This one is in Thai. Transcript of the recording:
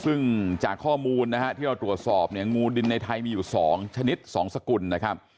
ซึ่งจากข้อมูลที่เราตรวจสอบงูในไทยมีอยู่๒ชนิด๒สกุลนะครับ